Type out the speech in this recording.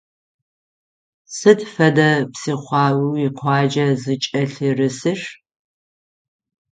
Сыд фэдэ псыхъуа уикъуаджэ зыкӏэлъырысыр?